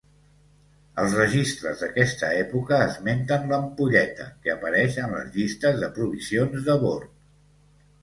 Els registres d'aquesta època esmenten l'ampolleta, que apareix en les llistes de provisions de bord.